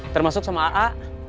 termasuk sama aa